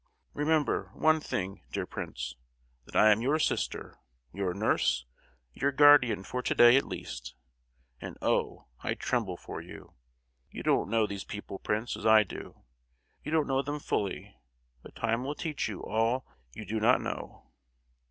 Remember one thing, dear Prince, that I am your sister, your nurse, your guardian for to day at least, and oh!—I tremble for you. You don't know these people, Prince, as I do! You don't know them fully: but time will teach you all you do not know."